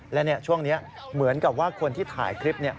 และช่วงนี้เหมือนกับว่าคนที่ถ่ายคลิป